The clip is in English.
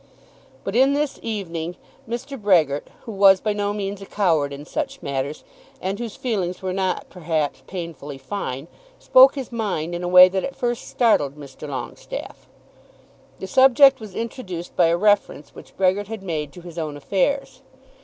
But in this evening Mr. Brehgert, who was by no means a coward in such matters and whose feelings were not perhaps painfully fine, spoke his mind in a way that at first startled Mr. Longestaffe. The subject was introduced by a reference which Brehgert had made to his own affairs.